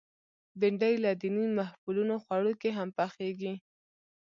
بېنډۍ له دینی محفلونو خوړو کې هم پخېږي